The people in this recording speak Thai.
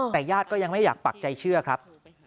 แต่ญาติก็ยังไม่อยากปักใจเชื่อครับ